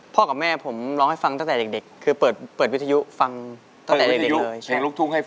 พ่อกับแม่ผมร้องให้ฟังตั้งแต่เด็ก